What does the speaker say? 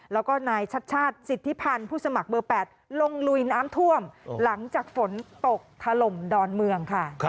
แล้วก็นายชัดชาติสิทธิพันธ์ผู้สมัครเบอร์๘ลงลุยน้ำท่วมหลังจากฝนตกถล่มดอนเมืองค่ะ